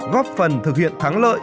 góp phần thực hiện thắng lợi